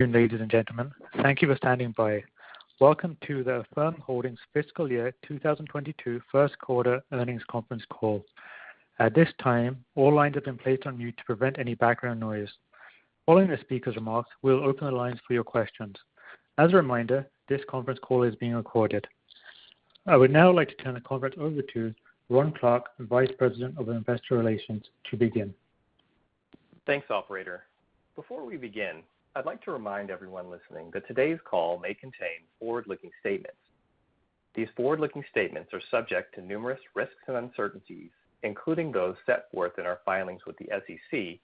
Good afternoon, ladies and gentlemen. Thank you for standing by. Welcome to the Affirm Holdings Fiscal Year 2022 First Quarter Earnings Conference Call. At this time, all lines have been placed on mute to prevent any background noise. Following the speaker's remarks, we'll open the lines for your questions. As a reminder, this conference call is being recorded. I would now like to turn the conference over to Ron Clark, Vice President of Investor Relations, to begin. Thanks, operator. Before we begin, I'd like to remind everyone listening that today's call may contain forward-looking statements. These forward-looking statements are subject to numerous risks and uncertainties, including those set forth in our filings with the SEC,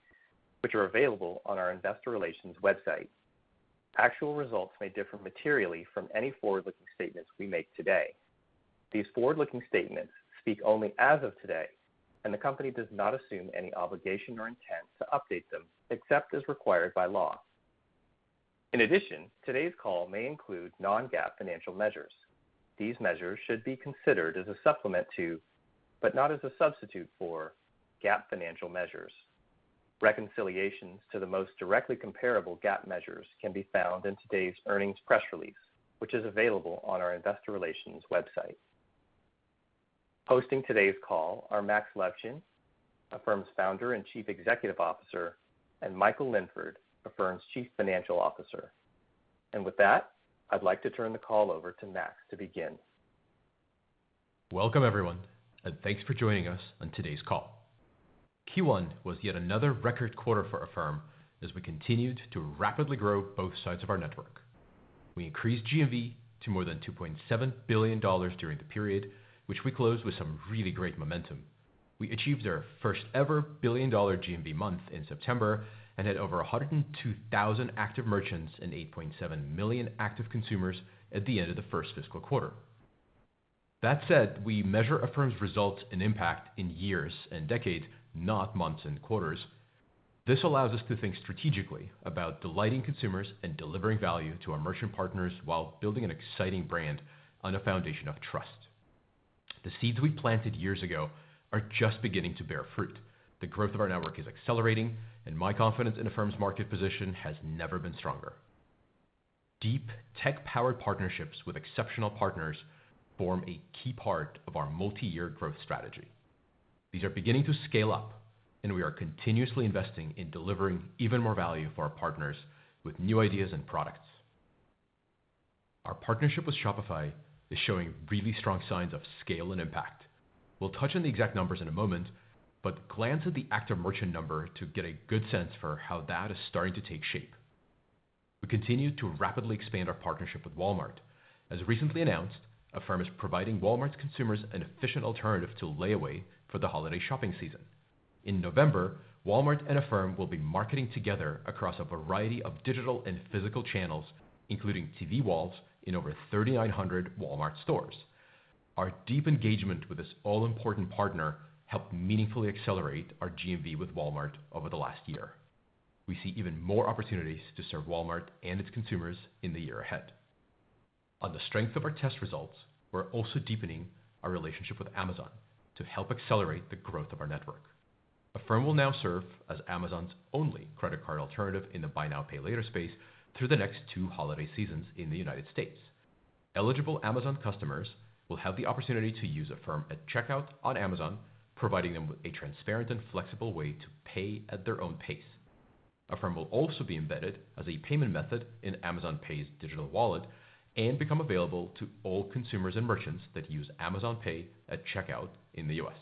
which are available on our investor relations website. Actual results may differ materially from any forward-looking statements we make today. These forward-looking statements speak only as of today, and the company does not assume any obligation or intent to update them, except as required by law. In addition, today's call may include non-GAAP financial measures. These measures should be considered as a supplement to, but not as a substitute for, GAAP financial measures. Reconciliations to the most directly comparable GAAP measures can be found in today's earnings press release, which is available on our investor relations website. Hosting today's call are Max Levchin, Affirm's Founder and Chief Executive Officer, and Michael Linford, Affirm's Chief Financial Officer. With that, I'd like to turn the call over to Max to begin. Welcome everyone, and thanks for joining us on today's call. Q1 was yet another record quarter for Affirm as we continued to rapidly grow both sides of our network. We increased GMV to more than $2.7 billion during the period, which we closed with some really great momentum. We achieved our first ever billion-dollar GMV month in September and had over 102,000 active merchants and 8.7 million active consumers at the end of the first fiscal quarter. That said, we measure Affirm's results and impact in years and decades, not months and quarters. This allows us to think strategically about delighting consumers and delivering value to our merchant partners while building an exciting brand on a foundation of trust. The seeds we planted years ago are just beginning to bear fruit. The growth of our network is accelerating, and my confidence in Affirm's market position has never been stronger. Deep tech powered partnerships with exceptional partners form a key part of our multi-year growth strategy. These are beginning to scale up, and we are continuously investing in delivering even more value for our partners with new ideas and products. Our partnership with Shopify is showing really strong signs of scale and impact. We'll touch on the exact numbers in a moment, but glance at the active merchant number to get a good sense for how that is starting to take shape. We continue to rapidly expand our partnership with Walmart. As recently announced, Affirm is providing Walmart's consumers an efficient alternative to layaway for the holiday shopping season. In November, Walmart and Affirm will be marketing together across a variety of digital and physical channels, including TV walls in over 3,900 Walmart stores. Our deep engagement with this all-important partner helped meaningfully accelerate our GMV with Walmart over the last year. We see even more opportunities to serve Walmart and its consumers in the year ahead. On the strength of our test results, we're also deepening our relationship with Amazon to help accelerate the growth of our network. Affirm will now serve as Amazon's only credit card alternative in the buy now, pay later space through the next two holiday seasons in the United States. Eligible Amazon customers will have the opportunity to use Affirm at checkout on Amazon, providing them with a transparent and flexible way to pay at their own pace. Affirm will also be embedded as a payment method in Amazon Pay's digital wallet and become available to all consumers and merchants that use Amazon Pay at checkout in the U.S.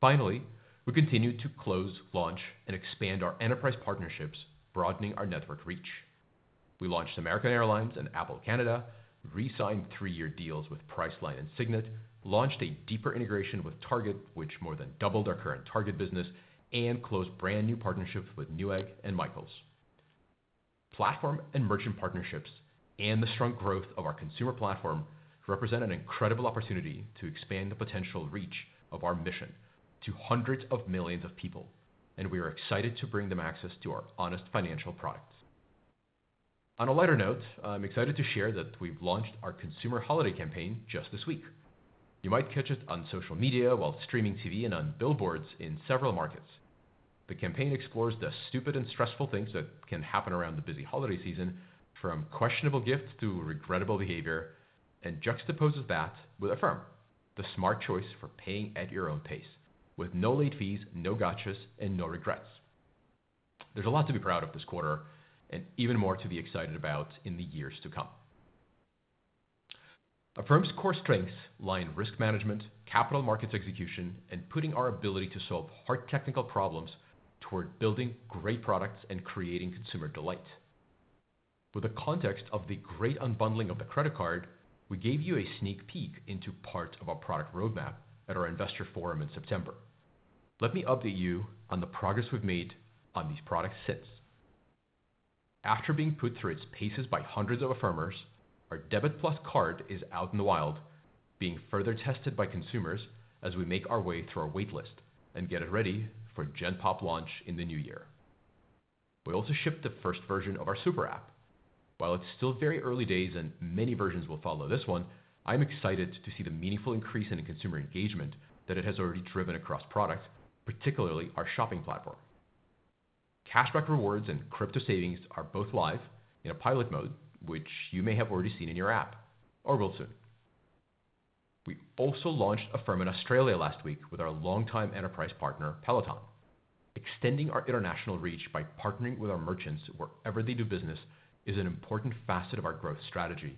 Finally, we continue to close, launch, and expand our enterprise partnerships, broadening our network reach. We launched American Airlines and Apple Canada, resigned three-year deals with Priceline and Signet, launched a deeper integration with Target, which more than doubled our current Target business, and closed brand new partnerships with Newegg and Michaels. Platform and merchant partnerships and the strong growth of our consumer platform represent an incredible opportunity to expand the potential reach of our mission to hundreds of millions of people, and we are excited to bring them access to our honest financial products. On a lighter note, I'm excited to share that we've launched our consumer holiday campaign just this week. You might catch it on social media while streaming TV and on billboards in several markets. The campaign explores the stupid and stressful things that can happen around the busy holiday season, from questionable gifts to regrettable behavior, and juxtaposes that with Affirm, the smart choice for paying at your own pace with no late fees, no gotchas, and no regrets. There's a lot to be proud of this quarter, and even more to be excited about in the years to come. Affirm's core strengths lie in risk management, capital markets execution, and putting our ability to solve hard technical problems toward building great products and creating consumer delight. For the context of the great unbundling of the credit card, we gave you a sneak peek into part of our product roadmap at our investor forum in September. Let me update you on the progress we've made on these products since. After being put through its paces by hundreds of Affirmers, our Debit+ card is out in the wild, being further tested by consumers as we make our way through our wait list and get it ready for gen pop launch in the new year. We also shipped the first version of our SuperApp. While it's still very early days and many versions will follow this one, I'm excited to see the meaningful increase in consumer engagement that it has already driven across products, particularly our shopping platform. Cashback rewards and crypto savings are both live in a pilot mode, which you may have already seen in your app or will soon. We also launched Affirm in Australia last week with our longtime enterprise partner, Peloton. Extending our international reach by partnering with our merchants wherever they do business is an important facet of our growth strategy,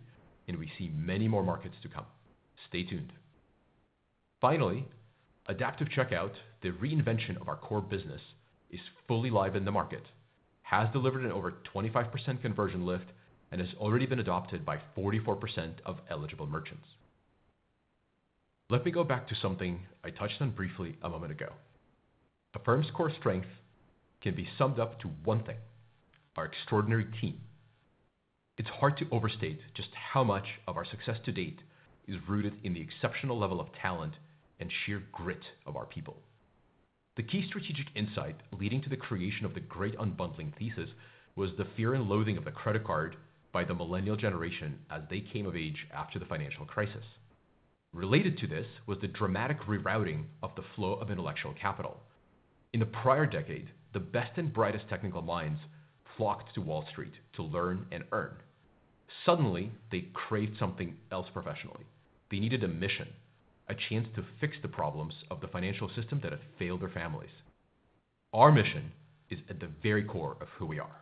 and we see many more markets to come. Stay tuned. Finally, Adaptive Checkout, the reinvention of our core business, is fully live in the market, has delivered an over 25% conversion lift and has already been adopted by 44% of eligible merchants. Let me go back to something I touched on briefly a moment ago. Affirm's core strength can be summed up to one thing: our extraordinary team. It's hard to overstate just how much of our success to date is rooted in the exceptional level of talent and sheer grit of our people. The key strategic insight leading to the creation of the great unbundling thesis was the fear and loathing of the credit card by the millennial generation as they came of age after the financial crisis. Related to this was the dramatic rerouting of the flow of intellectual capital. In the prior decade, the best and brightest technical minds flocked to Wall Street to learn and earn. Suddenly, they craved something else professionally. They needed a mission, a chance to fix the problems of the financial system that had failed their families. Our mission is at the very core of who we are.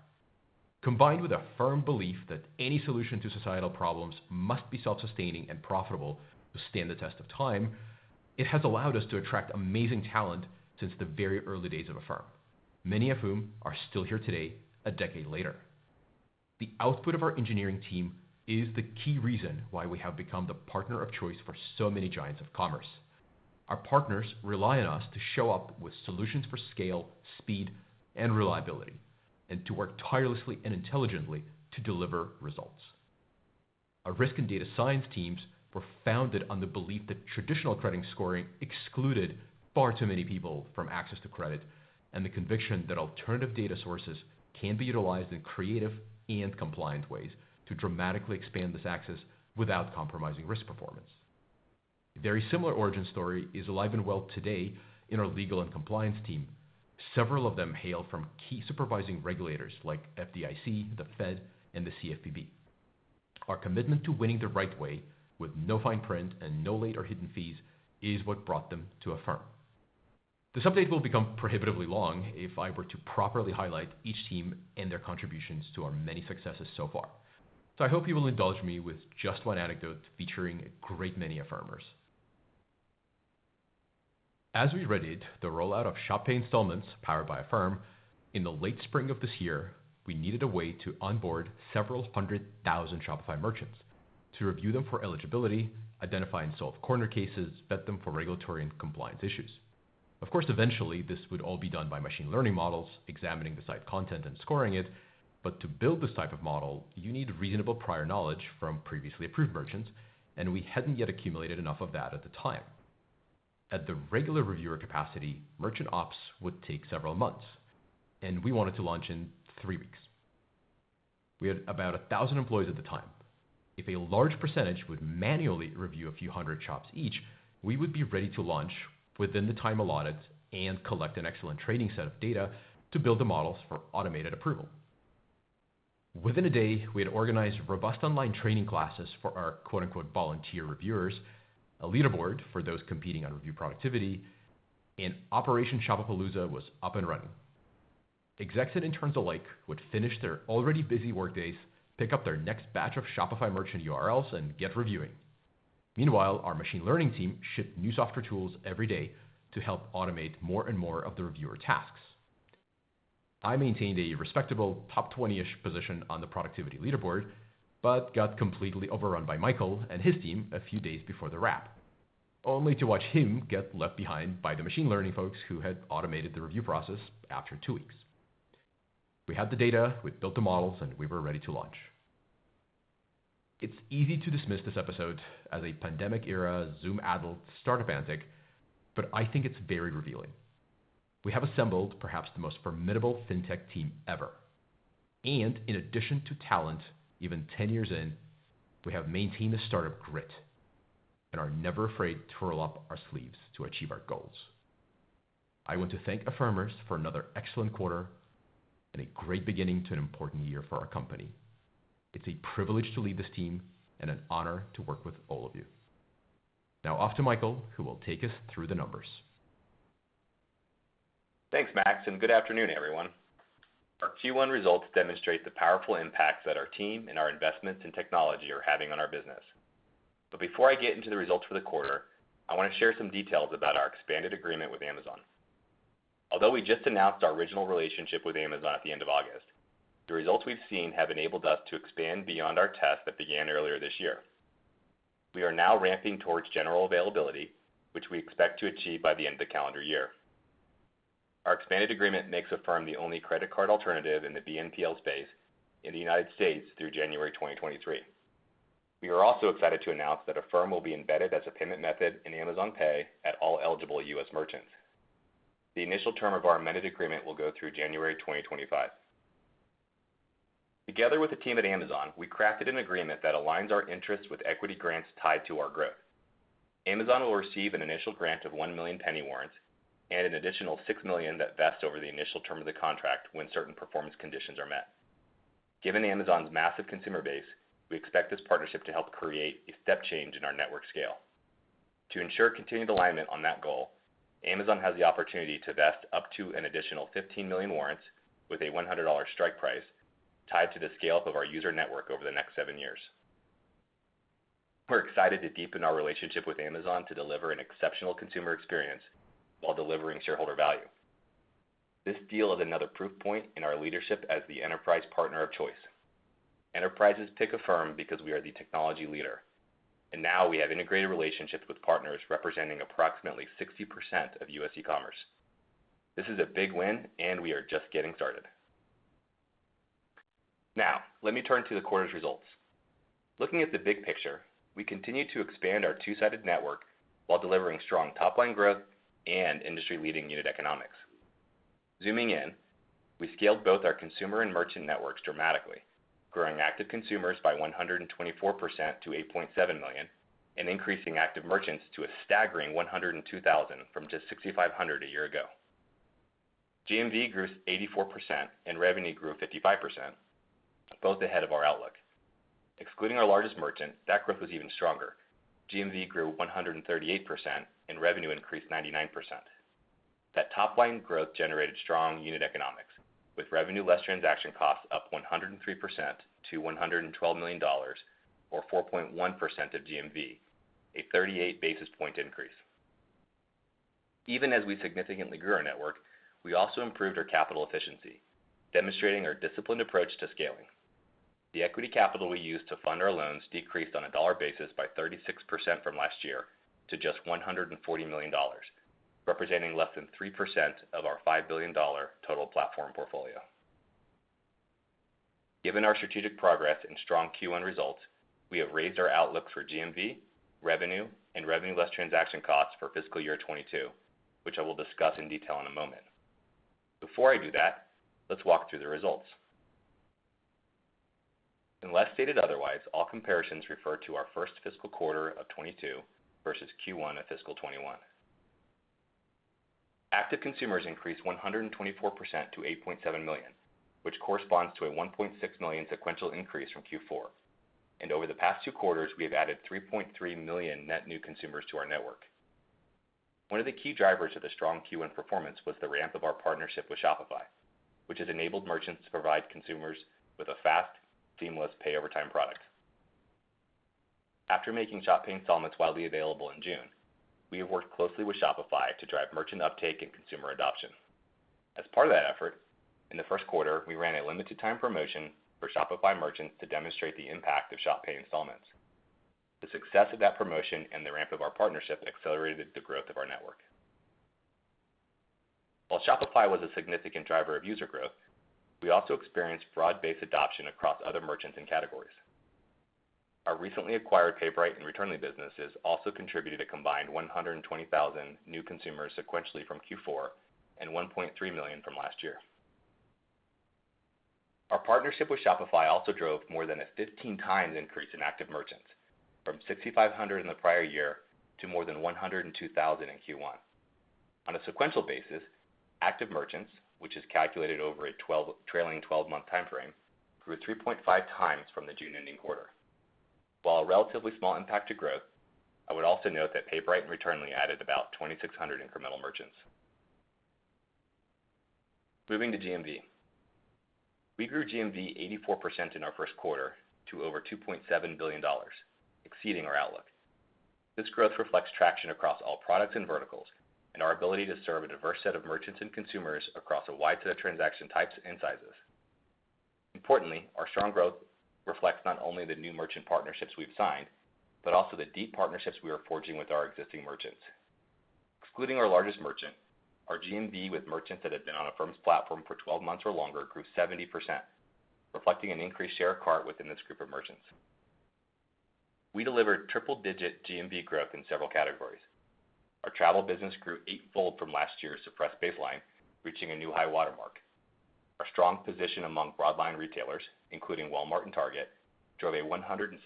Combined with a firm belief that any solution to societal problems must be self-sustaining and profitable to stand the test of time, it has allowed us to attract amazing talent since the very early days of Affirm, many of whom are still here today, a decade later. The output of our engineering team is the key reason why we have become the partner of choice for so many giants of commerce. Our partners rely on us to show up with solutions for scale, speed and reliability, and to work tirelessly and intelligently to deliver results. Our risk and data science teams were founded on the belief that traditional credit scoring excluded far too many people from access to credit, and the conviction that alternative data sources can be utilized in creative and compliant ways to dramatically expand this access without compromising risk performance. A very similar origin story is alive and well today in our legal and compliance team. Several of them hail from key supervising regulators like FDIC, the Fed and the CFPB. Our commitment to winning the right way with no fine print and no late or hidden fees is what brought them to Affirm. This update will become prohibitively long if I were to properly highlight each team and their contributions to our many successes so far. I hope you will indulge me with just one anecdote featuring a great many Affirmers. As we readied the rollout of Shop Pay Installments powered by Affirm in the late spring of this year, we needed a way to onboard several hundred thousand Shopify merchants to review them for eligibility, identify and solve corner cases, vet them for regulatory and compliance issues. Of course, eventually this would all be done by machine learning models, examining the site content and scoring it. To build this type of model, you need reasonable prior knowledge from previously approved merchants, and we hadn't yet accumulated enough of that at the time. At the regular reviewer capacity, merchant ops would take several months, and we wanted to launch in three weeks. We had about 1,000 employees at the time. If a large percentage would manually review a few hundred shops each, we would be ready to launch within the time allotted and collect an excellent training set of data to build the models for automated approval. Within a day, we had organized robust online training classes for our, quote-unquote, "volunteer reviewers," a leaderboard for those competing on review productivity, and Operation Shoppapalooza was up and running. Execs and interns alike would finish their already busy work days, pick up their next batch of Shopify merchant URLs, and get reviewing. Meanwhile, our machine learning team shipped new software tools every day to help automate more and more of the reviewer tasks. I maintained a respectable top 20-ish position on the productivity leaderboard, but got completely overrun by Michael and his team a few days before the wrap, only to watch him get left behind by the machine learning folks who had automated the review process after two weeks. We had the data, we'd built the models, and we were ready to launch. It's easy to dismiss this episode as a pandemic-era Zoom adult startup antic, but I think it's very revealing. We have assembled perhaps the most formidable fintech team ever, and in addition to talent, even 10 years in, we have maintained the startup grit and are never afraid to roll up our sleeves to achieve our goals. I want to thank Affirmers for another excellent quarter and a great beginning to an important year for our company. It's a privilege to lead this team and an honor to work with all of you. Now off to Michael, who will take us through the numbers. Thanks, Max, and good afternoon, everyone. Our Q1 results demonstrate the powerful impacts that our team and our investments in technology are having on our business. Before I get into the results for the quarter, I want to share some details about our expanded agreement with Amazon. Although we just announced our original relationship with Amazon at the end of August, the results we've seen have enabled us to expand beyond our test that began earlier this year. We are now ramping towards general availability, which we expect to achieve by the end of the calendar year. Our expanded agreement makes Affirm the only credit card alternative in the BNPL space in the United States through January 2023. We are also excited to announce that Affirm will be embedded as a payment method in Amazon Pay at all eligible U.S. merchants. The initial term of our amended agreement will go through January 2025. Together with the team at Amazon, we crafted an agreement that aligns our interests with equity grants tied to our growth. Amazon will receive an initial grant of one million penny warrants and an additional six million that vest over the initial term of the contract when certain performance conditions are met. Given Amazon's massive consumer base, we expect this partnership to help create a step change in our network scale. To ensure continued alignment on that goal, Amazon has the opportunity to vest up to an additional 15 million warrants with a $100 strike price tied to the scale-up of our user network over the next seven years. We're excited to deepen our relationship with Amazon to deliver an exceptional consumer experience while delivering shareholder value. This deal is another proof point in our leadership as the enterprise partner of choice. Enterprises pick Affirm because we are the technology leader, and now we have integrated relationships with partners representing approximately 60% of U.S. e-commerce. This is a big win, and we are just getting started. Now, let me turn to the quarter's results. Looking at the big picture, we continue to expand our two-sided network while delivering strong top-line growth and industry-leading unit economics. Zooming in, we scaled both our consumer and merchant networks dramatically, growing active consumers by 124% to 8.7 million and increasing active merchants to a staggering 102,000 from just 6,500 a year ago. GMV grew 84% and revenue grew 55%, both ahead of our outlook. Excluding our largest merchant, that growth was even stronger. GMV grew 138% and revenue increased 99%. That top-line growth generated strong unit economics, with revenue less transaction costs up 103% to $112 million or 4.1% of GMV, a 38 basis point increase. Even as we significantly grew our network, we also improved our capital efficiency, demonstrating our disciplined approach to scaling. The equity capital we used to fund our loans decreased on a dollar basis by 36% from last year to just $140 million, representing less than 3% of our $5 billion total platform portfolio. Given our strategic progress and strong Q1 results, we have raised our outlook for GMV, revenue, and revenue less transaction costs for fiscal year 2022, which I will discuss in detail in a moment. Before I do that, let's walk through the results. Unless stated otherwise, all comparisons refer to our first fiscal quarter of 2022 versus Q1 of fiscal 2021. Active consumers increased 124% to 8.7 million, which corresponds to a 1.6 million sequential increase from Q4. Over the past 2 quarters, we have added 3.3 million net new consumers to our network. One of the key drivers of the strong Q1 performance was the ramp of our partnership with Shopify, which has enabled merchants to provide consumers with a fast, seamless pay over time product. After making Shop Pay Installments widely available in June, we have worked closely with Shopify to drive merchant uptake and consumer adoption. As part of that effort, in the first quarter, we ran a limited time promotion for Shopify merchants to demonstrate the impact of Shop Pay Installments. The success of that promotion and the ramp of our partnership accelerated the growth of our network. While Shopify was a significant driver of user growth, we also experienced broad-based adoption across other merchants and categories. Our recently acquired PayBright and Returnly businesses also contributed a combined 120,000 new consumers sequentially from Q4 and 1.3 million from last year. Our partnership with Shopify also drove more than a 15 times increase in active merchants from 6,500 in the prior year to more than 102,000 in Q1. On a sequential basis, active merchants, which is calculated over a trailing twelve-month time frame, grew 3.5 times from the June ending quarter. While a relatively small impact to growth, I would also note that PayBright and Returnly added about 2,600 incremental merchants. Moving to GMV. We grew GMV 84% in our first quarter to over $2.7 billion, exceeding our outlook. This growth reflects traction across all products and verticals and our ability to serve a diverse set of merchants and consumers across a wide set of transaction types and sizes. Importantly, our strong growth reflects not only the new merchant partnerships we've signed, but also the deep partnerships we are forging with our existing merchants. Excluding our largest merchant, our GMV with merchants that have been on Affirm's platform for 12 months or longer grew 70%, reflecting an increased share of cart within this group of merchants. We delivered triple-digit GMV growth in several categories. Our travel business grew eight-fold from last year's suppressed baseline, reaching a new high water mark. Our strong position among broad line retailers, including Walmart and Target, drove a 170%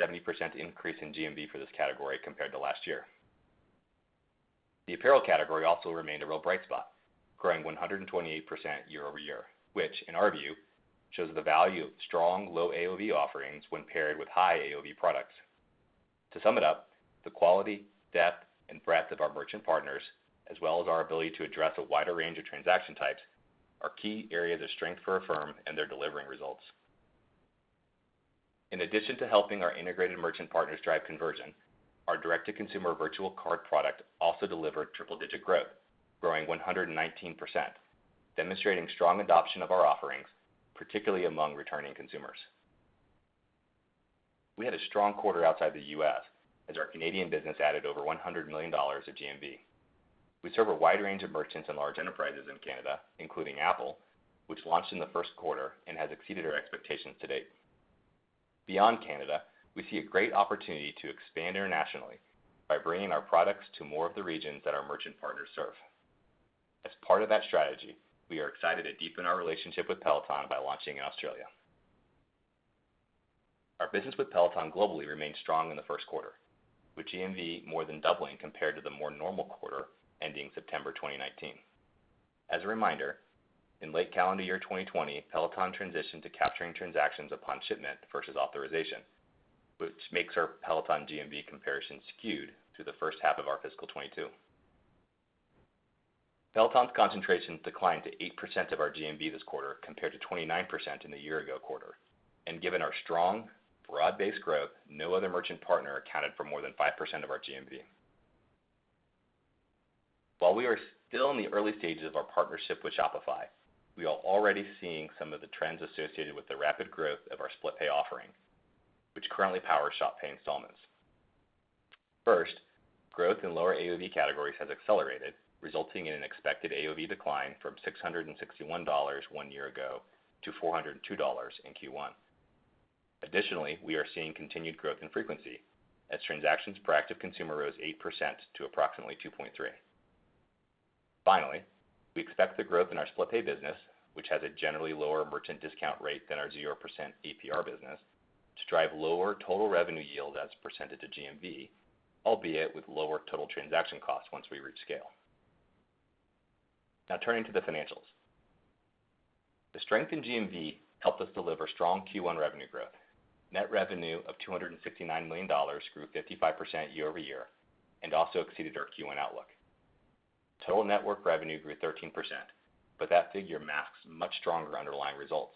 increase in GMV for this category compared to last year. The apparel category also remained a real bright spot, growing 128% year-over-year, which, in our view, shows the value of strong low AOV offerings when paired with high AOV products. To sum it up, the quality, depth, and breadth of our merchant partners, as well as our ability to address a wider range of transaction types, are key areas of strength for Affirm and they're delivering results. In addition to helping our integrated merchant partners drive conversion, our direct-to-consumer virtual card product also delivered triple-digit growth, growing 119%, demonstrating strong adoption of our offerings, particularly among returning consumers. We had a strong quarter outside the U.S., as our Canadian business added over $100 million of GMV. We serve a wide range of merchants and large enterprises in Canada, including Apple, which launched in the first quarter and has exceeded our expectations to date. Beyond Canada, we see a great opportunity to expand internationally by bringing our products to more of the regions that our merchant partners serve. As part of that strategy, we are excited to deepen our relationship with Peloton by launching in Australia. Our business with Peloton globally remained strong in the first quarter, with GMV more than doubling compared to the more normal quarter ending September 2019. As a reminder, in late calendar year 2020, Peloton transitioned to capturing transactions upon shipment versus authorization, which makes our Peloton GMV comparison skewed to the first half of our fiscal 2022. Peloton's concentration declined to 8% of our GMV this quarter compared to 29% in the year ago quarter. Given our strong, broad-based growth, no other merchant partner accounted for more than 5% of our GMV. While we are still in the early stages of our partnership with Shopify, we are already seeing some of the trends associated with the rapid growth of our Split Pay offering, which currently powers Shop Pay Installments. First, growth in lower AOV categories has accelerated, resulting in an expected AOV decline from $661 one year ago to $402 in Q1. Additionally, we are seeing continued growth in frequency as transactions per active consumer rose 8% to approximately 2.3. Finally, we expect the growth in our Split Pay business, which has a generally lower merchant discount rate than our 0% APR business, to drive lower total revenue yield as a percentage of GMV, albeit with lower total transaction costs once we reach scale. Now turning to the financials. The strength in GMV helped us deliver strong Q1 revenue growth. Net revenue of $269 million grew 55% year-over-year and also exceeded our Q1 outlook. Total network revenue grew 13%, but that figure masks much stronger underlying results.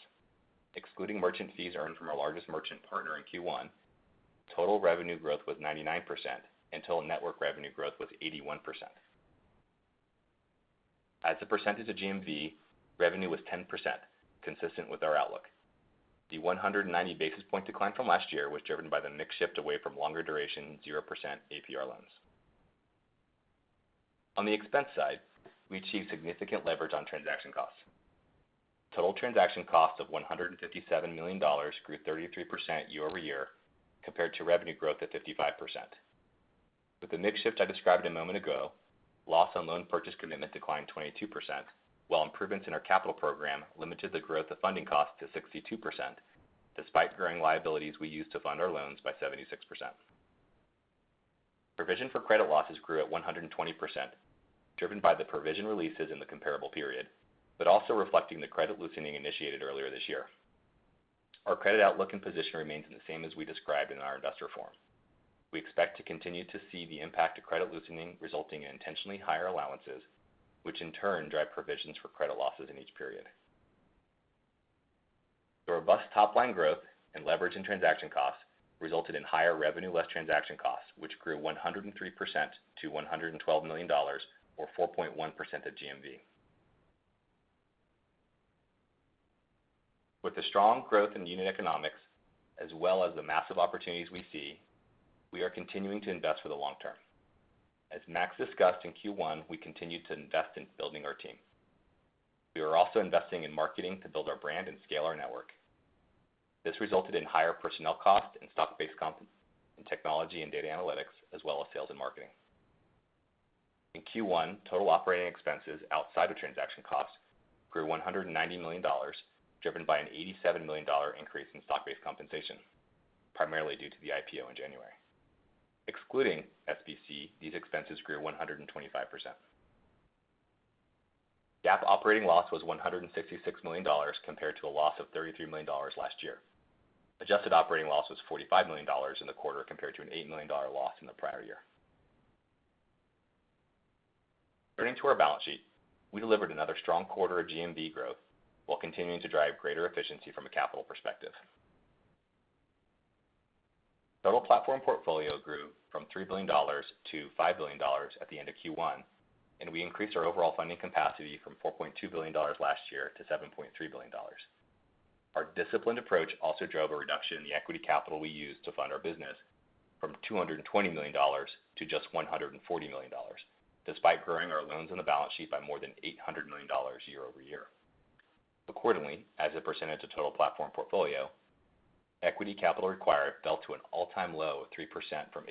Excluding merchant fees earned from our largest merchant partner in Q1, total revenue growth was 99%, and total network revenue growth was 81%. As a percentage of GMV, revenue was 10%, consistent with our outlook. The 190 basis points decline from last year was driven by the mix shift away from longer duration, 0% APR loans. On the expense side, we achieved significant leverage on transaction costs. Total transaction costs of $157 million grew 33% year-over-year compared to revenue growth at 55%. With the mix shift I described a moment ago, loss on loan purchase commitment declined 22%, while improvements in our capital program limited the growth of funding costs to 62% despite growing liabilities we used to fund our loans by 76%. Provision for credit losses grew at 120%, driven by the provision releases in the comparable period, but also reflecting the credit loosening initiated earlier this year. Our credit outlook and position remains the same as we described in our investor forum. We expect to continue to see the impact of credit loosening resulting in intentionally higher allowances, which in turn drive provisions for credit losses in each period. The robust top-line growth and leverage in transaction costs resulted in higher revenue less transaction costs, which grew 103% to $112 million or 4.1% of GMV. With the strong growth in unit economics as well as the massive opportunities we see, we are continuing to invest for the long term. As Max discussed in Q1, we continue to invest in building our team. We are also investing in marketing to build our brand and scale our network. This resulted in higher personnel costs and stock-based comp in technology and data analytics, as well as sales and marketing. In Q1, total operating expenses outside of transaction costs grew $190 million, driven by an $87 million increase in stock-based compensation, primarily due to the IPO in January. Excluding SBC, these expenses grew 125%. GAAP operating loss was $166 million compared to a loss of $33 million last year. Adjusted operating loss was $45 million in the quarter compared to an $8 million loss in the prior year. Turning to our balance sheet, we delivered another strong quarter of GMV growth while continuing to drive greater efficiency from a capital perspective. Total platform portfolio grew from $3 billion to $5 billion at the end of Q1, and we increased our overall funding capacity from $4.2 billion last year to $7.3 billion. Our disciplined approach also drove a reduction in the equity capital we used to fund our business from $220 million to just $140 million, despite growing our loans on the balance sheet by more than $800 million year-over-year. Accordingly, as a percentage of total platform portfolio, equity capital required fell to an all-time low of 3% from 8%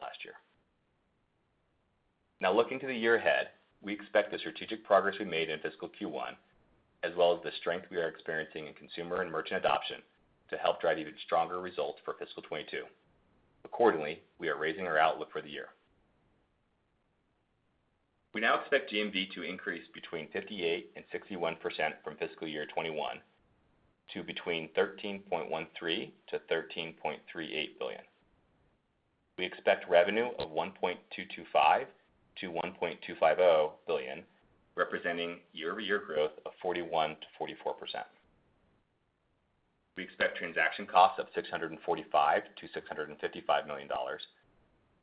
last year. Now looking to the year ahead, we expect the strategic progress we made in fiscal Q1, as well as the strength we are experiencing in consumer and merchant adoption, to help drive even stronger results for fiscal 2022. Accordingly, we are raising our outlook for the year. We now expect GMV to increase between 58% and 61% from fiscal year 2021 to between $13.13 billion-$13.38 billion. We expect revenue of $1.225 billion-$1.25 billion, representing year-over-year growth of 41%-44%. We expect transaction costs of $645 million-$655 million,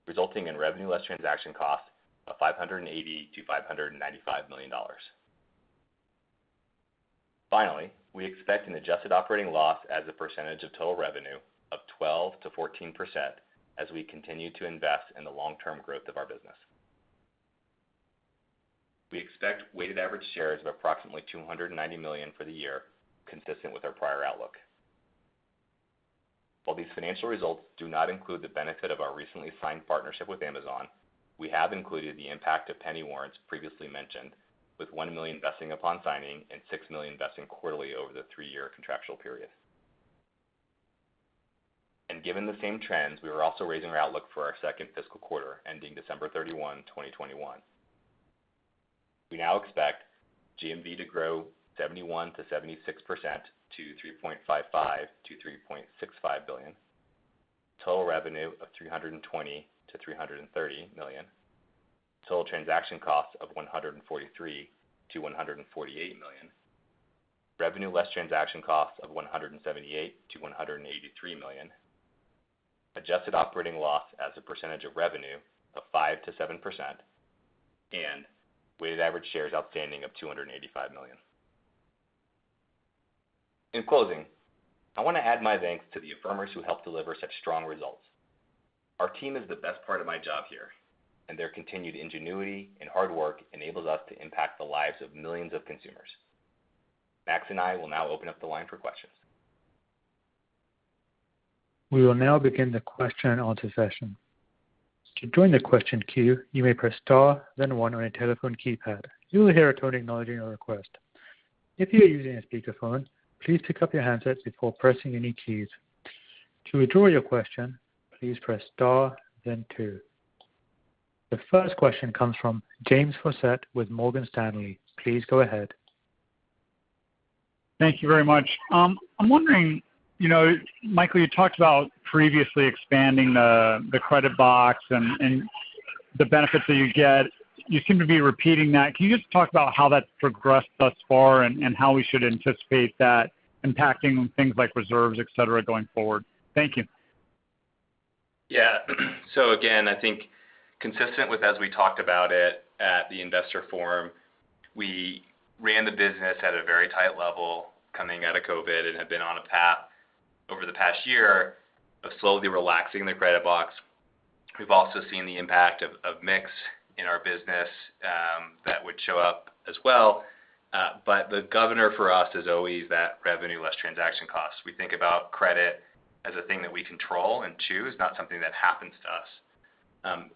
resulting in revenue less transaction costs of $580 million-$595 million. Finally, we expect an adjusted operating loss as a percentage of total revenue of 12%-14% as we continue to invest in the long-term growth of our business. We expect weighted average shares of approximately 290 million for the year, consistent with our prior outlook. While these financial results do not include the benefit of our recently signed partnership with Amazon, we have included the impact of penny warrants previously mentioned, with 1 million vesting upon signing and 6 million vesting quarterly over the three-year contractual period. Given the same trends, we are also raising our outlook for our second fiscal quarter ending December 31, 2021. We now expect GMV to grow 71%-76% to $3.55 billion-$3.65 billion, total revenue of $320 million-$330 million, total transaction costs of $143 million-$148 million, revenue less transaction costs of $178 million-$183 million, adjusted operating loss as a percentage of revenue of 5%-7%, and weighted average shares outstanding of 285 million. In closing, I want to add my thanks to the Affirmers who helped deliver such strong results. Our team is the best part of my job here, and their continued ingenuity and hard work enables us to impact the lives of millions of consumers. Max and I will now open up the line for questions. We will now begin the question and answer session. To join the question queue, you may press star then one on your telephone keypad. You will hear a tone acknowledging your request. If you are using a speakerphone, please pick up your handsets before pressing any keys. To withdraw your question, please press star then two. The first question comes from James Faucette with Morgan Stanley. Please go ahead. Thank you very much. I'm wondering, you know, Michael, you talked about previously expanding the credit box and the benefits that you get. You seem to be repeating that. Can you just talk about how that's progressed thus far and how we should anticipate that impacting things like reserves, et cetera, going forward? Thank you. Yeah. Again, I think consistent with as we talked about it at the investor forum, we ran the business at a very tight level coming out of COVID and have been on a path over the past year of slowly relaxing the credit box. We've also seen the impact of mix in our business that would show up as well. The governor for us is always that revenue less transaction costs. We think about credit as a thing that we control and choose, not something that happens to us.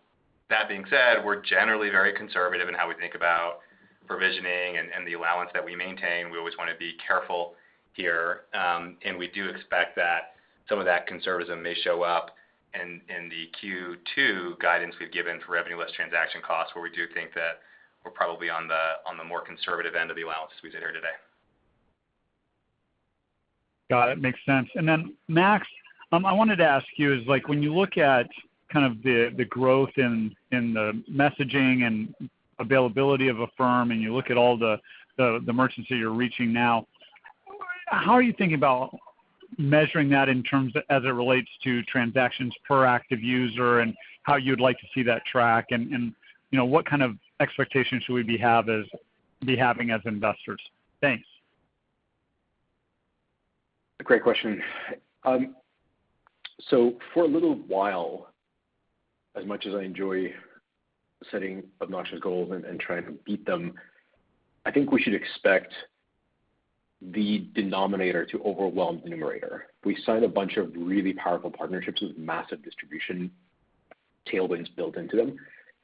That being said, we're generally very conservative in how we think about provisioning and the allowance that we maintain. We always want to be careful here, and we do expect that some of that conservatism may show up in the Q2 guidance we've given for revenue less transaction costs, where we do think that we're probably on the more conservative end of the allowance we did here today. Got it. Makes sense. Max, I wanted to ask you is like when you look at kind of the growth in the messaging and availability of Affirm, and you look at all the merchants that you're reaching now, how are you thinking about measuring that in terms as it relates to transactions per active user and how you'd like to see that track? You know, what kind of expectations should we be having as investors? Thanks. A great question. For a little while, as much as I enjoy setting obnoxious goals and trying to beat them, I think we should expect the denominator to overwhelm the numerator. We signed a bunch of really powerful partnerships with massive distribution tailwinds built into them.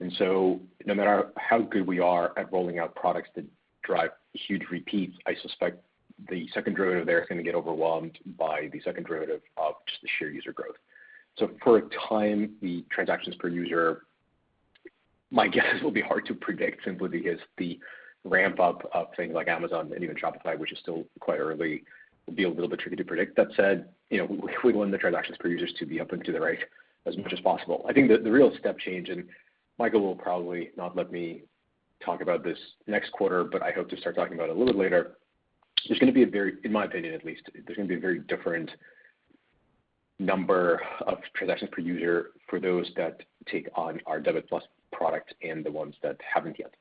No matter how good we are at rolling out products that drive huge repeats, I suspect the second derivative there is going to get overwhelmed by the second derivative of just the sheer user growth. For a time, the transactions per user, my guess will be hard to predict simply because the ramp up of things like Amazon and even Shopify, which is still quite early, will be a little bit tricky to predict. That said, you know, we want the transactions per users to be up and to the right as much as possible. I think the real step change, and Michael will probably not let me talk about this next quarter, but I hope to start talking about it a little later. There's going to be a very, in my opinion at least, different number of transactions per user for those that take on our Debit+ product and the ones that haven't yet.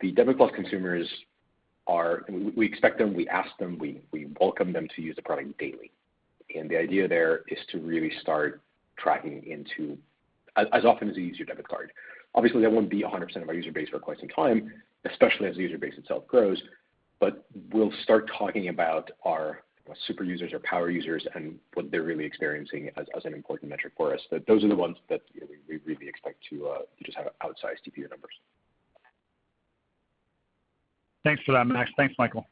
The Debit+ consumers are, we expect them, we ask them, we welcome them to use the product daily. The idea there is to really start tapping into as often as they use their debit card. Obviously, that won't be 100% of our user base for quite some time, especially as the user base itself grows. We'll start talking about our super users, our power users, and what they're really experiencing as an important metric for us. Those are the ones that, you know, we really expect to just have outsized TPA numbers. Thanks for that, Max. Thanks, Michael.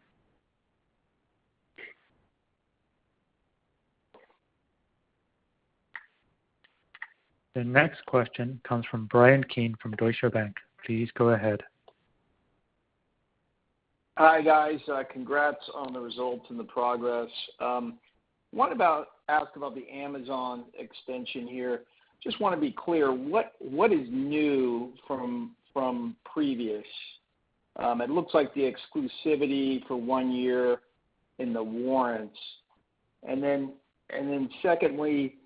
The next question comes from Bryan Keane from Deutsche Bank. Please go ahead. Hi, guys. Congrats on the results and the progress. Wanted to ask about the Amazon extension here. Just want to be clear, what is new from previous? It looks like the exclusivity for one year and the warrants. Then secondly,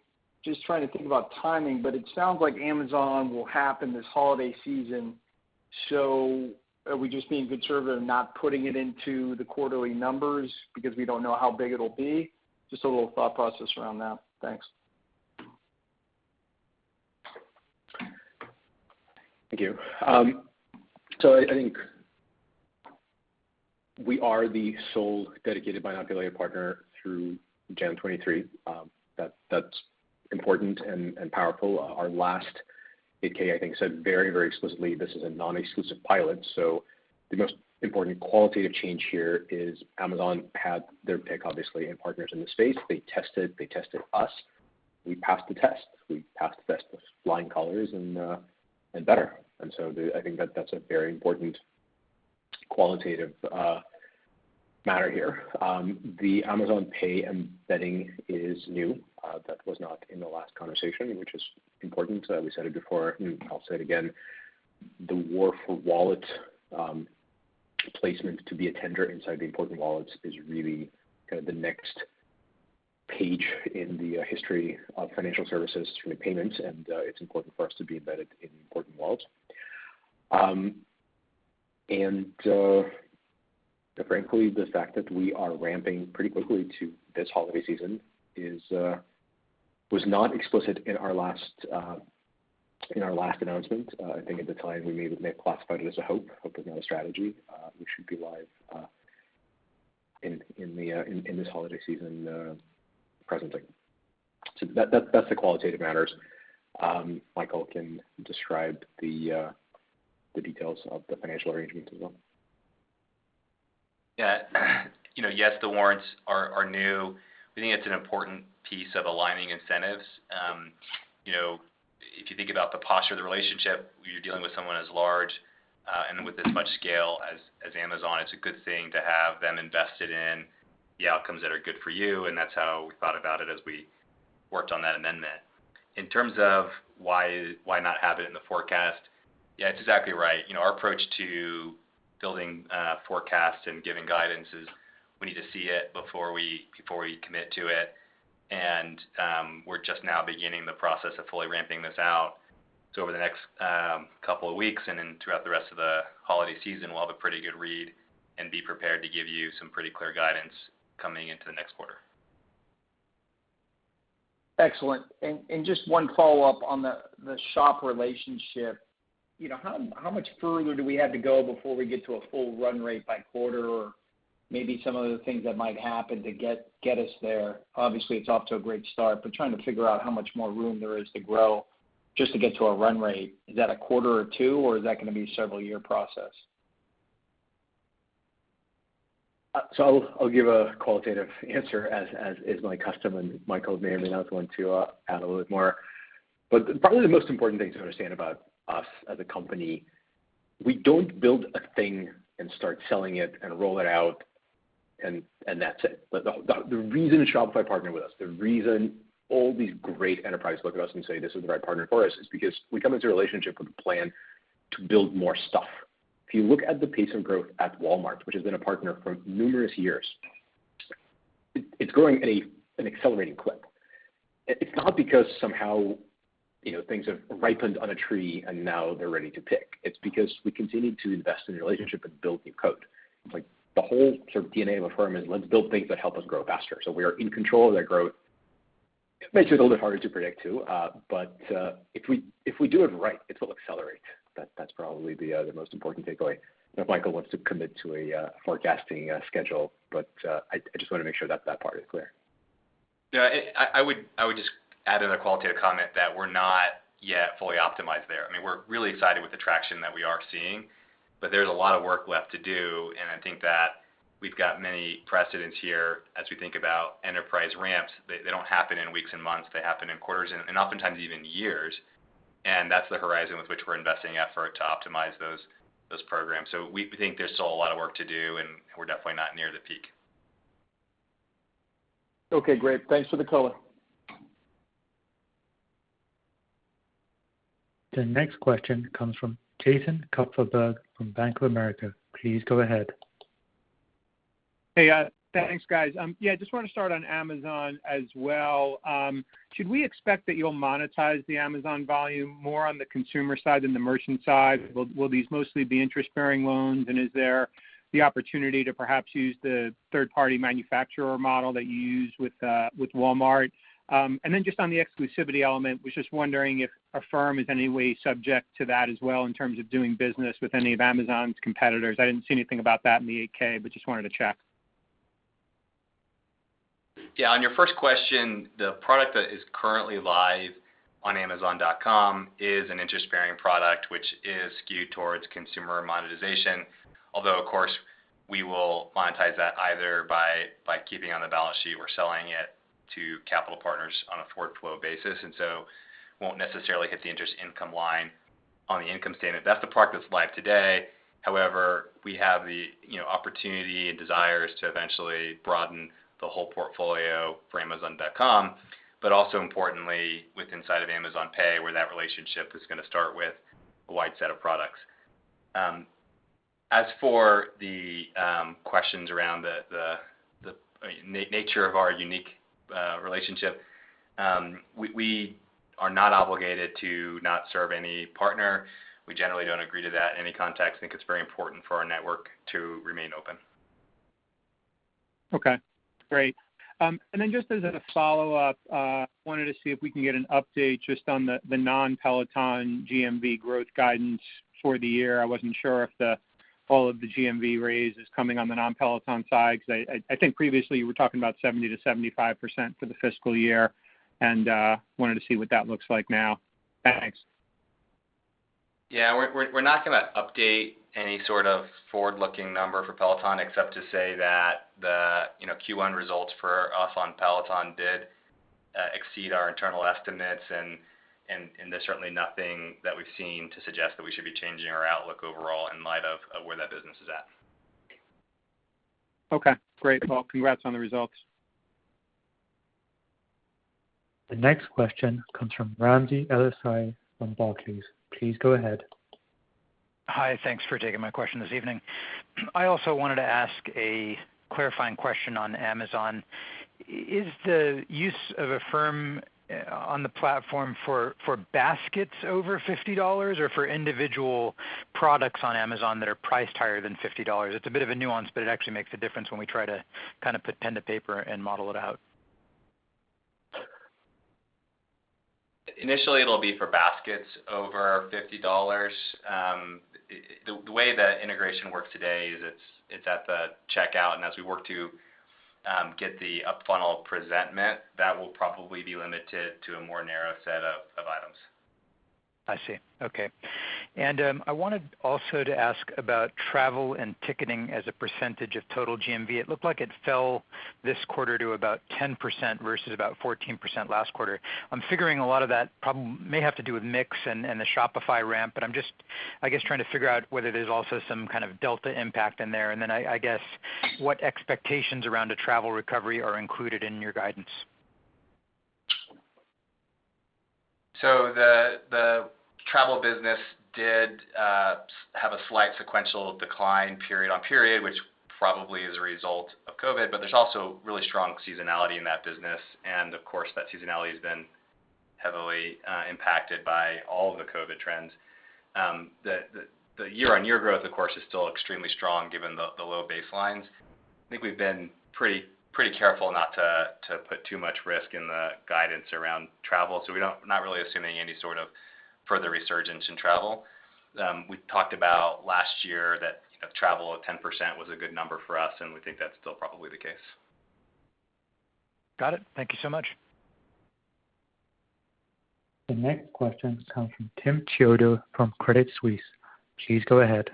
just trying to think about timing, but it sounds like Amazon will happen this holiday season. Are we just being conservative not putting it into the quarterly numbers because we don't know how big it'll be? Just a little thought process around that. Thanks. Thank you. I think we are the sole dedicated buy now pay later partner through January 2023. That's important and powerful. Our last 8-K I think said very explicitly this is a non-exclusive pilot. The most important qualitative change here is Amazon had their pick obviously in partners in the space. They tested us, we passed the test with flying colors and better. I think that's a very important qualitative matter here. The Amazon Pay embedding is new, that was not in the last conversation, which is important. We said it before, and I'll say it again, the war for wallet placement to be a tender inside the important wallets is really kind of the next page in the history of financial services for the payments. It's important for us to be embedded in important wallets. Frankly, the fact that we are ramping pretty quickly to this holiday season was not explicit in our last announcement. I think at the time we may have classified it as a hope. Hope is not a strategy. We should be live in this holiday season presently. That's the qualitative matters. Michael can describe the details of the financial arrangements as well. Yeah. You know, yes, the warrants are new. We think it's an important piece of aligning incentives. You know, if you think about the posture of the relationship, you're dealing with someone as large and with as much scale as Amazon. It's a good thing to have them invested in the outcomes that are good for you, and that's how we thought about it as we worked on that amendment. In terms of why not have it in the forecast? Yeah, it's exactly right. You know, our approach to building forecasts and giving guidance is we need to see it before we commit to it. We're just now beginning the process of fully ramping this out. Over the next couple of weeks and then throughout the rest of the holiday season, we'll have a pretty good read and be prepared to give you some pretty clear guidance coming into the next quarter. Excellent. Just one follow-up on the Shopify relationship. You know, how much further do we have to go before we get to a full run rate by quarter or maybe some of the things that might happen to get us there? Obviously, it's off to a great start, but trying to figure out how much more room there is to grow just to get to a run rate. Is that a quarter or two, or is that gonna be a several-year process? I'll give a qualitative answer as is my custom, and Michael may or may not want to add a little bit more. Probably the most important thing to understand about us as a company, we don't build a thing and start selling it and roll it out, and that's it. The reason Shopify partnered with us, the reason all these great enterprises look at us and say, "This is the right partner for us," is because we come into a relationship with a plan to build more stuff. If you look at the pace of growth at Walmart, which has been a partner for numerous years, it's growing at an accelerating clip. It's not because somehow, you know, things have ripened on a tree and now they're ready to pick. It's because we continue to invest in the relationship and build new code. It's like the whole sort of DNA of Affirm is let's build things that help us grow faster, so we are in control of that growth. It makes it a little bit harder to predict too, but if we do it right, it'll accelerate. That's probably the most important takeaway. I don't know if Michael wants to commit to a forecasting schedule. I just wanna make sure that that part is clear. Yeah, I would just add in a qualitative comment that we're not yet fully optimized there. I mean, we're really excited with the traction that we are seeing, but there's a lot of work left to do. I think that we've got many precedents here as we think about enterprise ramps. They don't happen in weeks and months. They happen in quarters and oftentimes even years. That's the horizon with which we're investing effort to optimize those programs. We think there's still a lot of work to do, and we're definitely not near the peak. Okay, great. Thanks for the color. The next question comes from Jason Kupferberg from Bank of America. Please go ahead. Hey, thanks, guys. Yeah, I just wanna start on Amazon as well. Should we expect that you'll monetize the Amazon volume more on the consumer side than the merchant side? Will these mostly be interest-bearing loans? And is there the opportunity to perhaps use the third-party manufacturer model that you used with Walmart? And then just on the exclusivity element, was just wondering if Affirm is any way subject to that as well in terms of doing business with any of Amazon's competitors. I didn't see anything about that in the 8-K, but just wanted to check. Yeah. On your first question, the product that is currently live on amazon.com is an interest-bearing product which is skewed towards consumer monetization. Although, of course, we will monetize that either by keeping it on the balance sheet or selling it to capital partners on a forward flow basis. It won't necessarily hit the interest income line on the income statement. That's the product that's live today. However, we have the you know opportunity and desires to eventually broaden the whole portfolio for amazon.com, but also importantly within Amazon Pay, where that relationship is gonna start with a wide set of products. As for the questions around the nature of our unique relationship, we are not obligated to not serve any partner. We generally don't agree to that in any context. I think it's very important for our network to remain open. Okay, great. Just as a follow-up, wanted to see if we can get an update just on the non-Peloton GMV growth guidance for the year. I wasn't sure if all of the GMV raise is coming on the non-Peloton side, 'cause I think previously you were talking about 70%-75% for the fiscal year, and wanted to see what that looks like now. Thanks. Yeah. We're not gonna update any sort of forward-looking number for Peloton except to say that the, you know, Q1 results for us on Peloton did exceed our internal estimates and there's certainly nothing that we've seen to suggest that we should be changing our outlook overall in light of where that business is at. Okay, great. Well, congrats on the results. The next question comes from Ramsey El-Assal from Barclays. Please go ahead. Hi, thanks for taking my question this evening. I also wanted to ask a clarifying question on Amazon. Is the use of Affirm on the platform for baskets over $50 or for individual products on Amazon that are priced higher than $50? It's a bit of a nuance, but it actually makes a difference when we try to kind of put pen to paper and model it out. Initially, it'll be for baskets over $50. The way the integration works today is it's at the checkout, and as we work to get the up-funnel presentment, that will probably be limited to a more narrow set of items. I see. Okay. I wanted also to ask about travel and ticketing as a percentage of total GMV. It looked like it fell this quarter to about 10% versus about 14% last quarter. I'm figuring a lot of that problem may have to do with mix and the Shopify ramp, but I'm just, I guess, trying to figure out whether there's also some kind of delta impact in there. I guess, what expectations around a travel recovery are included in your guidance? The travel business did have a slight sequential decline period-over-period, which probably is a result of COVID, but there's also really strong seasonality in that business and of course, that seasonality has been heavily impacted by all of the COVID trends. The year-on-year growth, of course, is still extremely strong given the low baselines. I think we've been pretty careful not to put too much risk in the guidance around travel, we're not really assuming any sort of further resurgence in travel. We talked about last year that travel at 10% was a good number for us, and we think that's still probably the case. Got it. Thank you so much. The next question comes from Tim Chiodo from Credit Suisse. Please go ahead.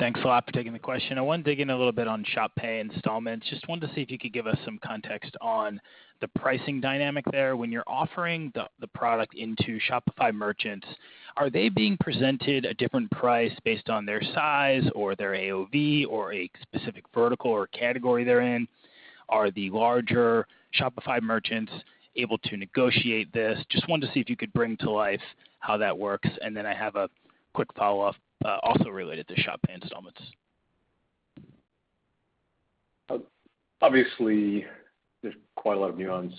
Thanks a lot for taking the question. I want to dig in a little bit on Shop Pay Installments. Just wanted to see if you could give us some context on the pricing dynamic there. When you're offering the product into Shopify merchants, are they being presented a different price based on their size or their AOV or a specific vertical or category they're in? Are the larger Shopify merchants able to negotiate this? Just wanted to see if you could bring to life how that works. I have a quick follow-up, also related to Shop Pay Installments. Obviously, there's quite a lot of nuance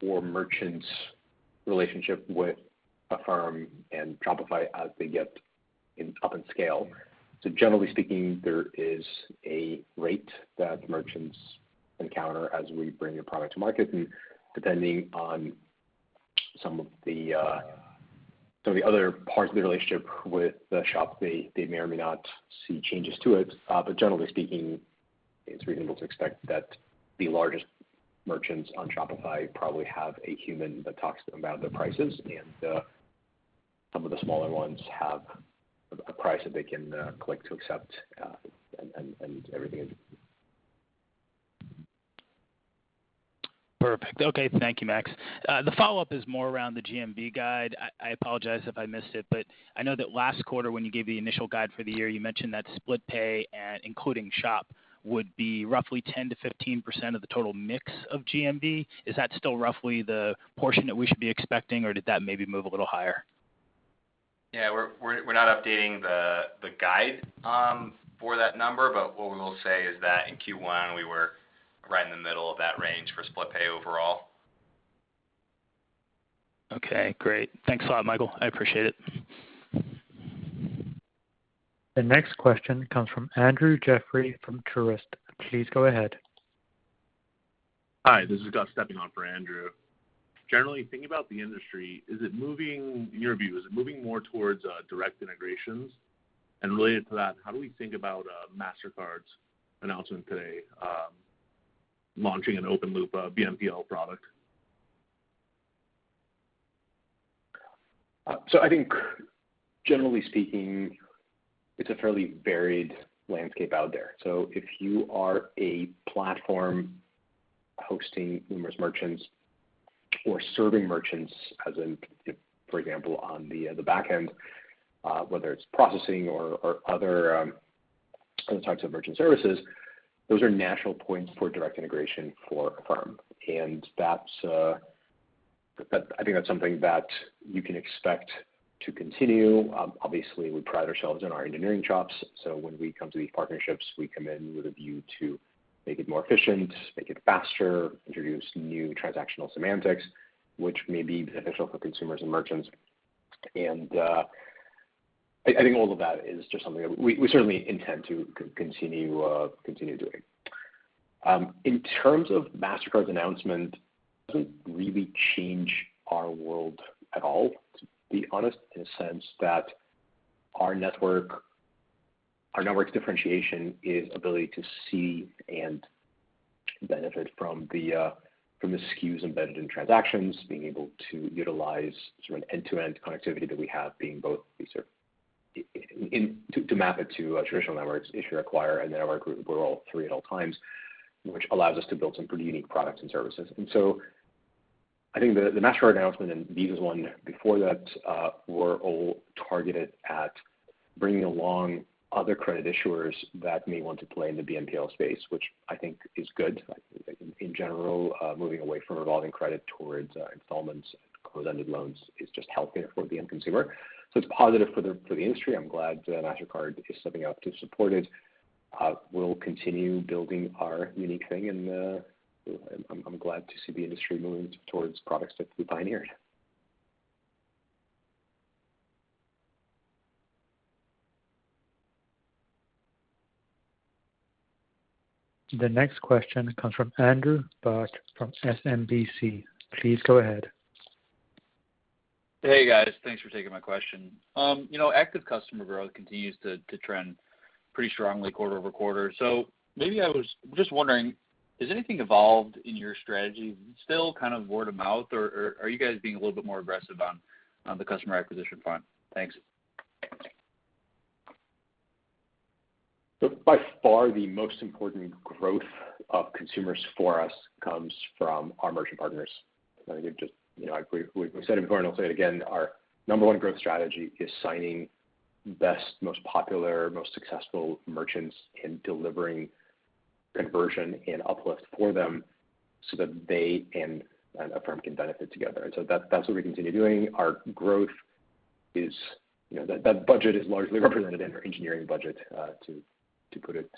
for merchants' relationship with Affirm and Shopify as they get up in scale. Generally speaking, there is a rate that merchants encounter as we bring a product to market. Depending on some of the other parts of the relationship with the shop, they may or may not see changes to it. Generally speaking, it's reasonable to expect that the largest merchants on Shopify probably have a human that talks to them about their prices, and some of the smaller ones have a price that they can click to accept, and everything is. Perfect. Okay. Thank you, Max. The follow-up is more around the GMV guide. I apologize if I missed it, but I know that last quarter when you gave the initial guide for the year, you mentioned that Split Pay and including Shop would be roughly 10%-15% of the total mix of GMV. Is that still roughly the portion that we should be expecting, or did that maybe move a little higher? Yeah. We're not updating the guide for that number, but what we will say is that in Q1, we were right in the middle of that range for Split Pay overall. Okay, great. Thanks a lot, Michael. I appreciate it. The next question comes from Andrew Jeffrey from Truist. Please go ahead. Hi, this is Gus stepping in for Andrew. Generally, thinking about the industry, in your view, is it moving more towards direct integrations? Related to that, how do we think about Mastercard's announcement today, launching an open loop BNPL product? I think generally speaking, it's a fairly varied landscape out there. If you are a platform hosting numerous merchants or serving merchants, as in, for example, on the back end, whether it's processing or other types of merchant services, those are natural points for direct integration for Affirm. That's something that you can expect to continue. Obviously, we pride ourselves on our engineering chops, so when we come to these partnerships, we come in with a view to make it more efficient, make it faster, introduce new transactional semantics, which may be beneficial for consumers and merchants. I think all of that is just something that we certainly intend to continue doing. In terms of Mastercard's announcement, it doesn't really change our world at all, to be honest, in a sense that our network's differentiation is ability to see and benefit from the SKUs embedded in transactions, being able to utilize sort of an end-to-end connectivity that we have, being both issuer, acquirer, a network where we're all three at all times, which allows us to build some pretty unique products and services. I think the Mastercard announcement and Visa's one before that were all targeted at bringing along other credit issuers that may want to play in the BNPL space, which I think is good. I think in general, moving away from revolving credit towards installments and closed-ended loans is just healthier for the end consumer. It's positive for the industry. I'm glad that Mastercard is stepping up to support it. We'll continue building our unique thing and, I'm glad to see the industry moving towards products that we pioneered. The next question comes from Andrew Bauch from SMBC. Please go ahead. Hey, guys. Thanks for taking my question. You know, active customer growth continues to trend pretty strongly quarter over quarter. Maybe I was just wondering, has anything evolved in your strategy? Still kind of word of mouth or are you guys being a little bit more aggressive on the customer acquisition front? Thanks. Look, by far, the most important growth of consumers for us comes from our merchant partners. I think it just, you know, we've said it before, and I'll say it again, our number one growth strategy is signing best, most popular, most successful merchants and delivering conversion and uplift for them so that they and Affirm can benefit together. That, that's what we continue doing. Our growth is, you know, that budget is largely represented in our engineering budget to put it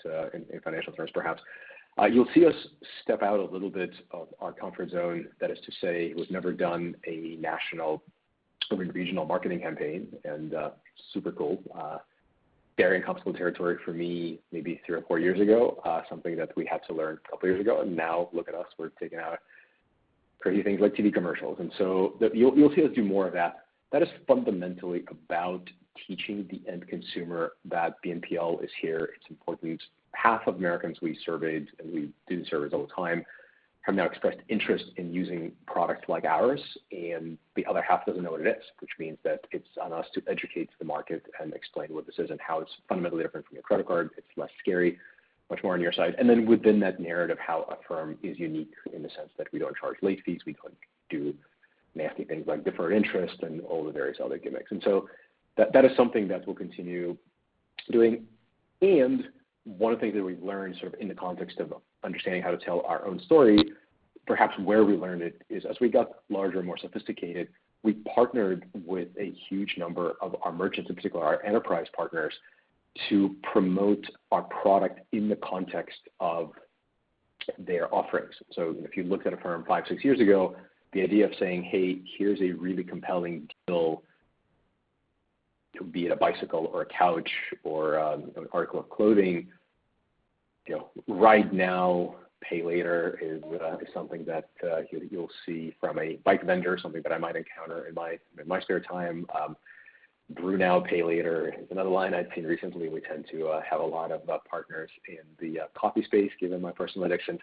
in financial terms, perhaps. You'll see us step out a little bit of our comfort zone. That is to say we've never done a national, I mean, regional marketing campaign and super cool. Very uncomfortable territory for me maybe 3 or 4 years ago. Something that we had to learn a couple years ago. Now look at us, we're taking out crazy things like TV commercials. You'll see us do more of that. That is fundamentally about teaching the end consumer that BNPL is here. It's important. Half of Americans we surveyed, and we do surveys all the time, have now expressed interest in using products like ours, and the other half doesn't know what it is, which means that it's on us to educate the market and explain what this is and how it's fundamentally different from your credit card. It's less scary, much more on your side. Then within that narrative, how Affirm is unique in the sense that we don't charge late fees, we don't do nasty things like deferred interest and all the various other gimmicks. That is something that we'll continue doing. One of the things that we've learned sort of in the context of understanding how to tell our own story, perhaps where we learned it, is as we got larger, more sophisticated, we partnered with a huge number of our merchants, in particular our enterprise partners, to promote our product in the context of their offerings. If you looked at Affirm five, six years ago, the idea of saying, "Hey, here's a really compelling deal to buy it a bicycle or a couch or, you know, an article of clothing. You know, buy now, pay later is something that, you'll see from a bike vendor, something that I might encounter in my, in my spare time. Buy now, pay later is another line I've seen recently. We tend to have a lot of partners in the coffee space, given my personal addiction,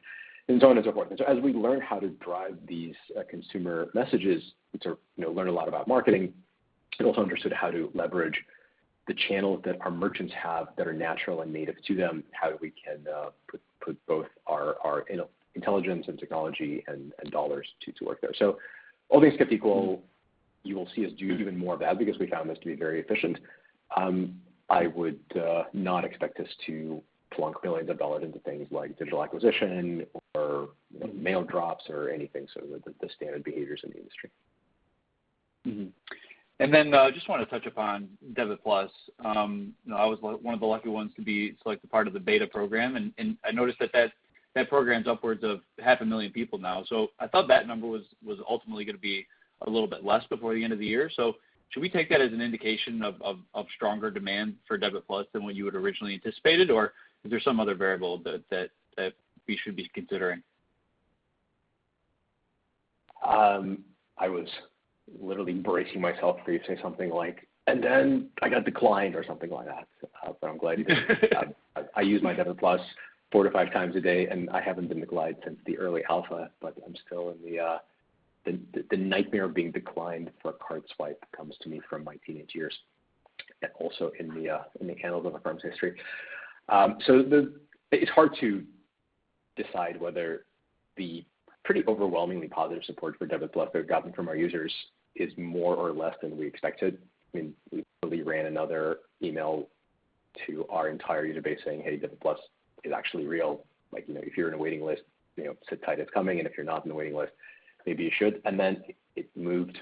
and so on and so forth. As we learn how to drive these consumer messages to, you know, learn a lot about marketing, we also understood how to leverage the channels that our merchants have that are natural and native to them, how we can put both our intelligence and technology and dollars to work there. All things kept equal, you will see us do even more of that because we found this to be very efficient. I would not expect us to plunk billions of dollars into things like digital acquisition or, you know, mail drops or anything, so the standard behaviors in the industry. Just wanna touch upon Debit+. You know, I was one of the lucky ones to be selected part of the beta program. I noticed that program's upwards of 500,000 people now. I thought that number was ultimately gonna be a little bit less before the end of the year. Should we take that as an indication of stronger demand for Debit+ than what you had originally anticipated? Or is there some other variable that we should be considering? I was literally bracing myself for you to say something like, "And then I got declined," or something like that. I'm glad you didn't. I use my Debit Plus 4-5 times a day, and I haven't been declined since the early alpha, but I'm still in the... The nightmare of being declined for a card swipe comes to me from my teenage years and also in the candles of Affirm's history. It's hard to decide whether the pretty overwhelmingly positive support for Debit Plus we've gotten from our users is more or less than we expected. I mean, we recently ran another email to our entire user base saying, "Hey, Debit Plus is actually real. Like, you know, if you're in a waiting list, you know, sit tight, it's coming. If you're not in the waiting list, maybe you should." It moved.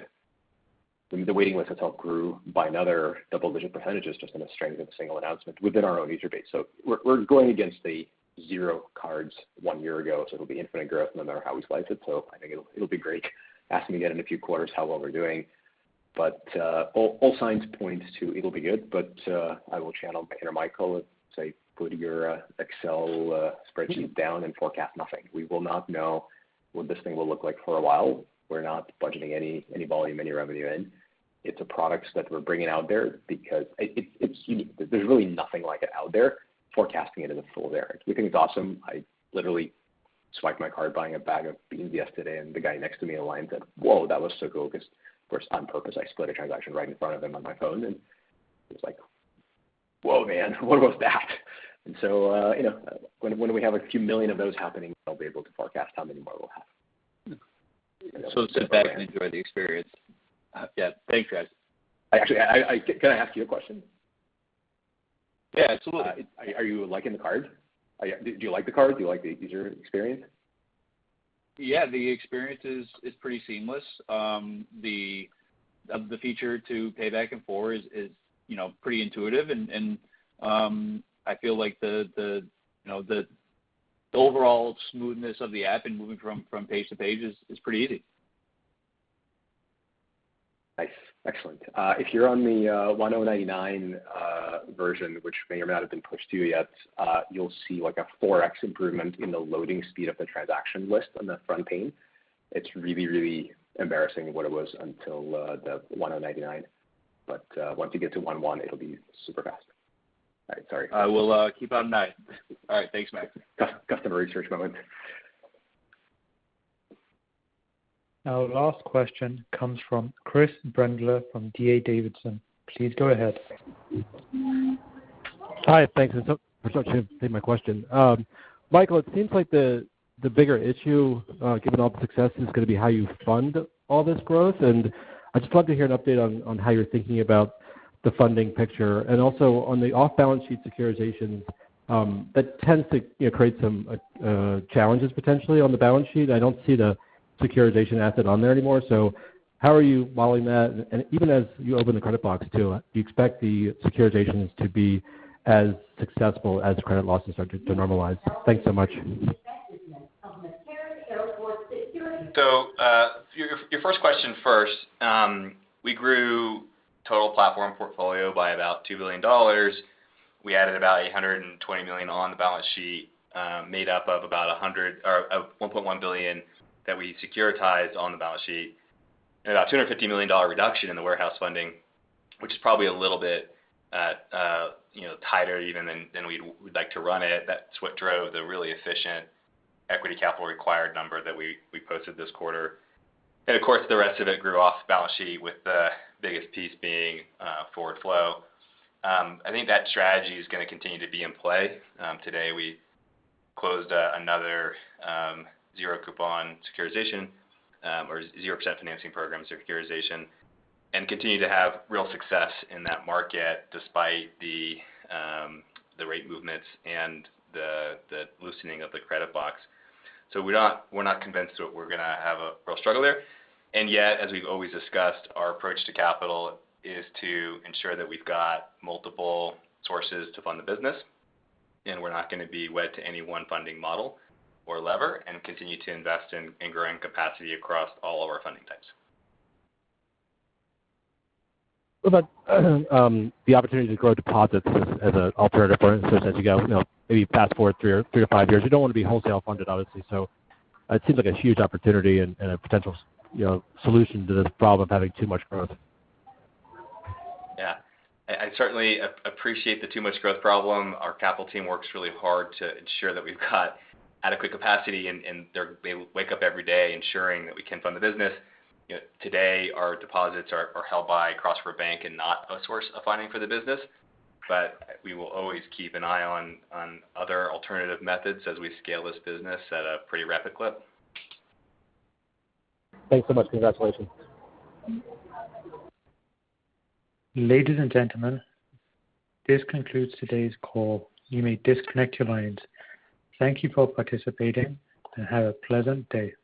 The waiting list itself grew By another double-digit percentages just in the strength of a single announcement within our own user base. We're going against the zero cards one year ago, so it'll be infinite growth no matter how we slice it. I think it'll be great. Ask me again in a few quarters how well we're doing. All signs point to it'll be good, but I will channel my inner Michael and say, put your Excel spreadsheet down and forecast nothing. We will not know what this thing will look like for a while. We're not budgeting any volume, any revenue in. It's a product that we're bringing out there because it's unique. There's really nothing like it out there. Forecasting it is a fool's errand. We think it's awesome. I literally swiped my card buying a bag of beans yesterday, and the guy next to me in line said, "Whoa, that was so cool." 'Cause of course, on purpose, I split a transaction right in front of him on my phone, and he was like, "Whoa, man, what was that?" And so, you know, when we have a few million of those happening, I'll be able to forecast how many more we'll have. Sit back and enjoy the experience. Yeah. Thanks, guys. Actually, can I ask you a question? Yeah, absolutely. Are you liking the card? Do you like the card? Do you like the user experience? Yeah. The experience is pretty seamless. The feature to pay back and forth is, you know, pretty intuitive and I feel like, you know, the overall smoothness of the app and moving from page to page is pretty easy. Nice. Excellent. If you're on the 1.099 version, which may or may not have been pushed to you yet, you'll see like a 4x improvement in the loading speed of the transaction list on the front end. It's really, really embarrassing what it was until the 1.099. Once you get to 1.1, it'll be super fast. All right. Sorry. I will keep on that. All right. Thanks, Max. Customer research moment. Our last question comes from Chris Brendler from D.A. Davidson. Please go ahead. Hi. Thanks for letting me take my question. Michael, it seems like the bigger issue, given all the success, is gonna be how you fund all this growth. I'd just love to hear an update on how you're thinking about the funding picture and also on the off-balance sheet securitization that tends to, you know, create some challenges potentially on the balance sheet. I don't see the securitization asset on there anymore, so how are you modeling that? Even as you open the credit box too, do you expect the securitizations to be as successful as credit losses start to normalize? Thanks so much. Your first question first. We grew total platform portfolio by about $2 billion. We added about $820 million on the balance sheet, made up of about $1.1 billion that we securitized on the balance sheet. About $250 million reduction in the warehouse funding, which is probably a little bit, you know, tighter even than we'd like to run it. That's what drove the really efficient equity capital required number that we posted this quarter. Of course, the rest of it grew off balance sheet, with the biggest piece being forward flow. I think that strategy is gonna continue to be in play. Today we closed another zero coupon securitization or zero percent financing program securitization, and continue to have real success in that market despite the rate movements and the loosening of the credit box. We're not convinced that we're gonna have a real struggle there. Yet, as we've always discussed, our approach to capital is to ensure that we've got multiple sources to fund the business, and we're not gonna be wed to any one funding model or lever and continue to invest in growing capacity across all of our funding types. What about the opportunity to grow deposits as a alternative for instance, as you go, you know, maybe fast-forward three to five years, you don't wanna be wholesale funded, obviously. It seems like a huge opportunity and a potential, you know, solution to this problem of having too much growth. Yeah. I certainly appreciate the too much growth problem. Our capital team works really hard to ensure that we've got adequate capacity and they wake up every day ensuring that we can fund the business. You know, today our deposits are held by Cross River Bank and not a source of funding for the business. We will always keep an eye on other alternative methods as we scale this business at a pretty rapid clip. Thanks so much. Congratulations. Ladies and gentlemen, this concludes today's call. You may disconnect your lines. Thank you for participating and have a pleasant day.